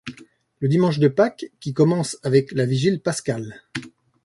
Le dimanche de Pâques, qui commence avec la vigile pascale.